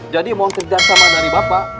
jadi mau kerja sama dari bapak